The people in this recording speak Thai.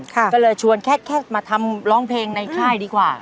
ก็เลยชวนแค่มาทำร้องเพลงในค่ายดีกว่า